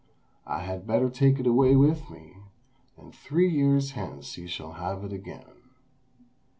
I had better take it away with me, and three years hence you shall have it again.